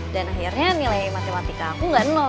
dan akhirnya nilai matematika aku enggak